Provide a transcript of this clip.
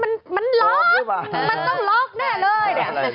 มันต้องล็อกแน่เลย